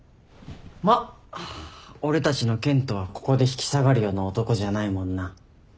まっ俺たちの健人はここで引き下がるような男じゃないもんな。